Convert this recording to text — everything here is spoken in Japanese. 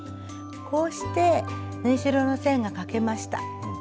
こうして縫い代の線が書けました。